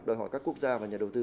đòi hỏi các quốc gia và nhà đầu tư